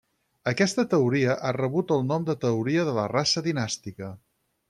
Aquesta teoria ha rebut el nom de teoria de la raça dinàstica.